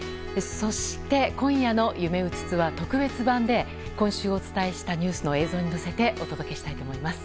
そして、今夜の「ゆめうつつ」は特別版で今週お伝えしたニュースの映像に乗せてお届けしたいと思います。